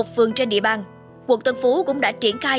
một mươi một vườn trên địa bàn quận tân phú cũng đã triển khai